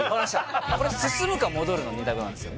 これ進むか戻るの２択なんですよ